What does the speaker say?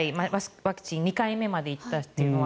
ワクチン２回目まで行ったというのは。